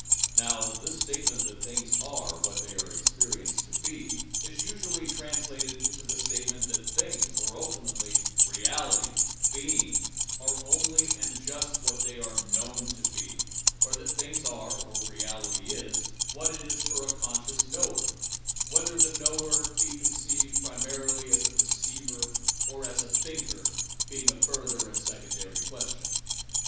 Now, this statement that things are what they are experienced to be is usually translated into the statement that things (or, ulti mately, Reality, Being) are only and just what they are known to be or that things are, or Reality is, what it is for a conscious knower ŌĆöwhether the knower be conceived primarily as a perceiver or as a thinker being a further and secondary question.